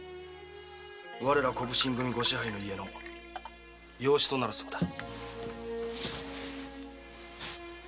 我ら小普請組御支配の家の養子となるそうだ。